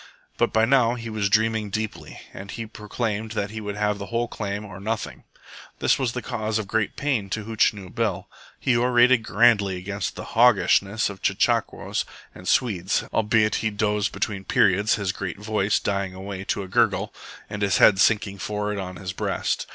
But by now he was dreaming deeply, and he proclaimed he would have the whole claim or nothing. This was the cause of great pain to Hootchinoo Bill. He orated grandly against the "hawgishness" of chechaquos and Swedes, albeit he dozed between periods, his voice dying away to a gurgle, and his head sinking forward on his breast.